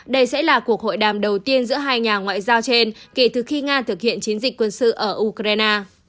đây sẽ là cuộc hội đàm đầu tiên giữa hai nhà ngoại giao trên kể từ khi nga thực hiện chiến dịch quân sự ở ukraine